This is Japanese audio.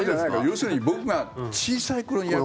要するに僕が小さい頃にやった。